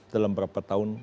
dalam berapa tahun